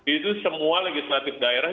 itu semua legislatif daerah